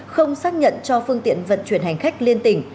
không xác nhận cho phương tiện vận chuyển hành khách liên tỉnh